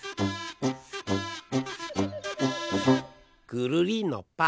くるりんのぱ！